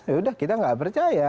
yaudah kita tidak percaya